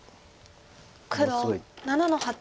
黒７の八。